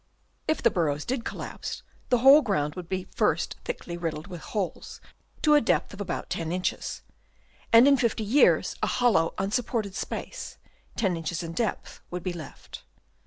If the burrows did not collapse, Chap. II. THE COLLAPSE OF OLD BURROWS. 121 the whole ground would be first thickly riddled with holes to a depth of about ten inches, and in fifty years a hollow unsup ported space, ten inches in depth, would be left.